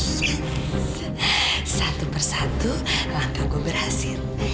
yes satu persatu langkah gue berhasil